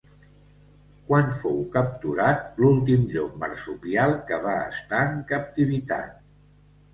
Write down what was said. Quan fou capturat l'últim llop marsupial que va estar en captivitat?